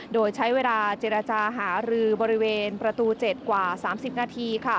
โดยใช้เวลาเจรจาหารือบริเวณประตู๗กว่า๓๐นาที